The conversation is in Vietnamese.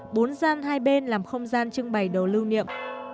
bốn gian hai bên làm không gian trưng bày đồ lưu niệm